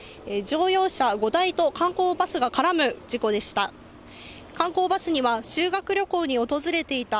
乗用車５台と観光バスが絡む事故でした。